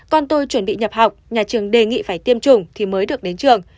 con tôi chuẩn bị nhập học nhà trường đề nghị phải tiêm chủng thì mới được đến trường